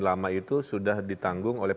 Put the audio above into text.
lama itu sudah ditanggung oleh